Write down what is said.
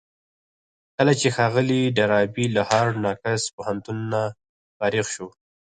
کله چې ښاغلی ډاربي له هارډ ناکس پوهنتونه فارغ شو.